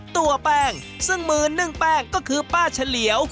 ตัวแป้งซึ่งมือนึ่งแป้งก็คือป้าเฉลียว